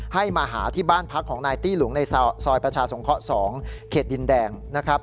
ให้มาหาที่บ้านพักของนายตี้หลุงในซอยประชาสงเคราะห์๒เขตดินแดงนะครับ